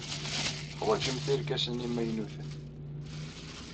Teḥwajemt irkasen imaynuten.